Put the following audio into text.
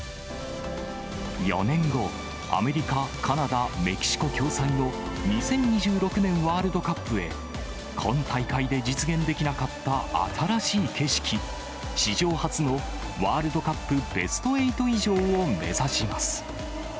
４年後、アメリカ・カナダ・メキシコ共催の２０２６年ワールドカップへ、今大会で実現できなかった新しい景色、史上初のワールドカップベスト８以上を目指します。